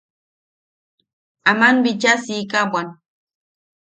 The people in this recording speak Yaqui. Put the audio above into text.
Aman bicha siika bwan.